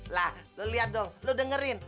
lah lo lihat dong lo dengerin